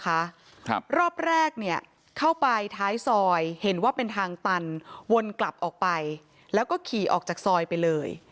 ครับรอบแรกเนี่ยเข้าไปท้ายซอยเห็นว่าเป็นทางตันวนกลับออกไปแล้วก็ขี่ออกจากซอยไปเลย